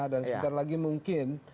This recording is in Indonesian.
dan sebentar lagi mungkin